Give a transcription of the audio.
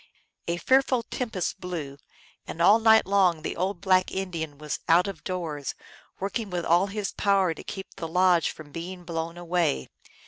A fearful tempest blew, and all night long the old black Indian was out of doors, working with all his power to keep the lodge from being blown away.